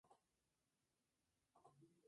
A la hora acordada, Booth llegó al establo.